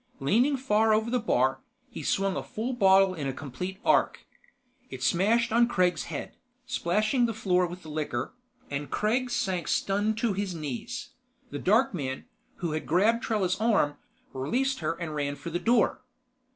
Leaning far over the bar, he swung a full bottle in a complete arc. It smashed on Kregg's head, splashing the floor with liquor, and Kregg sank stunned to his knees. The dark man, who had grabbed Trella's arm, released her and ran for the door.